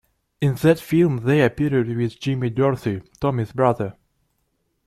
In that film, they appeared with Jimmy Dorsey, Tommy's brother.